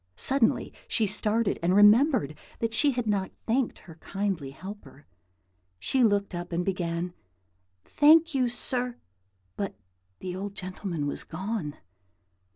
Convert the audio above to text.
Suddenly she started, and remembered that she had not thanked her kindly helper. She looked up, and began, "Thank you, sir;" but the old gentleman was gone.